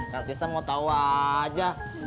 nanti saya mau tau aja